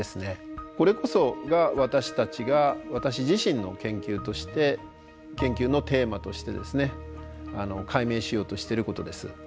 これこそが私たちが私自身の研究として研究のテーマとしてですね解明しようとしてることです。